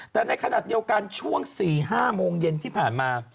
แต่ในขณะเดียวกันช่วง๔๕โมงเย็นที่ผ่านมา